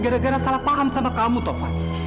gara gara salah paham sama kamu tova